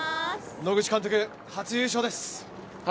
野口監督、初優勝です。